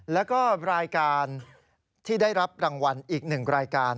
แล้วก็รายการที่ได้รับรางวัลอีก๑รายการ